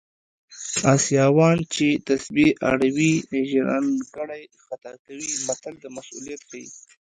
اسیاوان چې تسبې اړوي ژرندګړی خطا کوي متل د مسوولیت ښيي